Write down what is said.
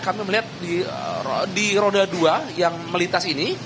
kami melihat di roda dua yang melintas ini